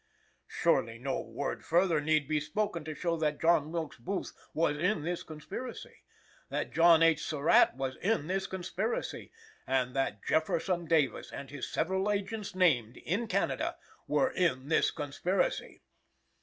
"Surely no word further need be spoken to show that John Wilkes Booth was in this conspiracy; that John H. Surratt was in this conspiracy; and that Jefferson Davis, and his several agents named, in Canada, were in this conspiracy.